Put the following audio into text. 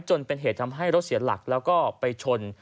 จนเป็นเหตุทำให้รถเสียหลักแล้วก็ไปชน